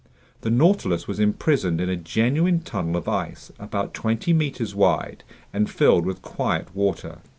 The Nautilus was imprisoned in a genuine tunnel of ice about twenty meters wide and filled with quiet water.